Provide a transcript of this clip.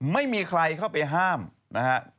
ไม่มีใครเข้าไปห้ามนะฮะ